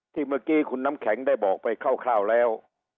เมื่อกี้คุณน้ำแข็งได้บอกไปคร่าวแล้ว